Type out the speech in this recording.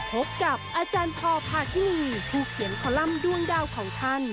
พบกับอาจารย์พอพาทินีผู้เขียนคอลัมป์ด้วงดาวของท่าน